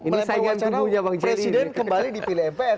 melepaskan kemungkinan presiden kembali dipilih mpr